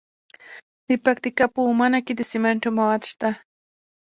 د پکتیکا په اومنه کې د سمنټو مواد شته.